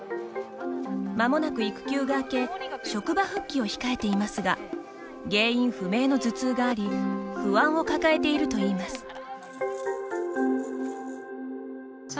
まもなく育休が明け職場復帰を控えていますが原因不明の頭痛があり不安を抱えているといいます。